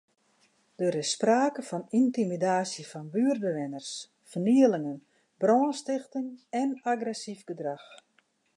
Der is sprake fan yntimidaasje fan buertbewenners, fernielingen, brânstichting en agressyf gedrach.